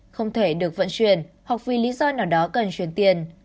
không thể được vận chuyển hoặc vì lý do nào đó cần truyền tiền